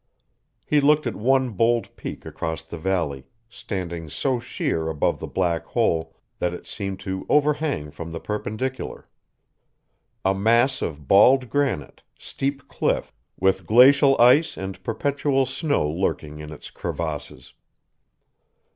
He looked at one bold peak across the valley, standing so sheer above the Black Hole that it seemed to overhang from the perpendicular; a mass of bald granite, steep cliff, with glacial ice and perpetual snow lurking in its crevasses.